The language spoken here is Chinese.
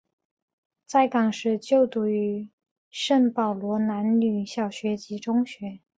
在港时就读于圣保罗男女小学及中学。